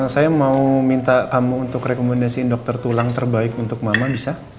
saya mau minta kamu untuk rekomendasiin dokter tulang terbaik untuk mama bisa